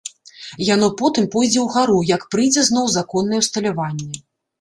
Яно потым пойдзе ўгару, як прыйдзе зноў законнае ўсталяванне.